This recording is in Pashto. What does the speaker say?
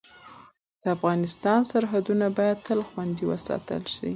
د افغانستان سرحدونه باید تل خوندي وساتل شي.